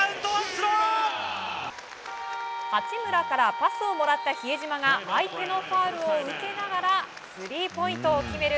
八村からパスをもらった比江島が相手のファウルを受けながらスリーポイントを決める